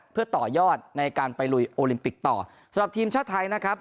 เพื่อต่อยอดในการไปลุยโอลิมปิกต่อสำหรับทีมชาติไทยนะครับ